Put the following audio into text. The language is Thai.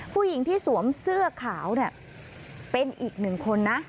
ผู้หญิงที่สวมเสื้อขาวเนี่ยเป็นอีกหนึ่งคนนะ